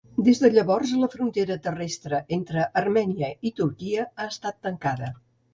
Des de llavors la frontera terrestre entre Armènia i Turquia ha estat tancada.